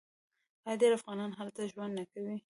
آیا ډیر افغانان هلته ژوند نه کوي؟